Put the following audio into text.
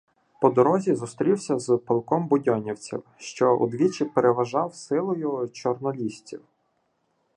По дорозі зустрівся з полком будьонівців, що удвічі переважав силою чорнолісців.